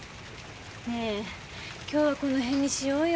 ねえ今日はこのへんにしようよ。